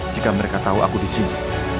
jika mereka tahu aku disini